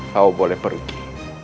kau boleh pergi